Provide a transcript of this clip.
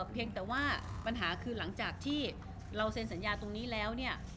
เพียงแต่ว่าปัญหาคือหลังจากที่เราเซ็นสัญญาตรงนี้แล้วเนี่ย